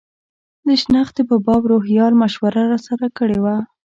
د شنختې په باب روهیال مشوره راسره کړې وه.